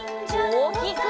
おおきく！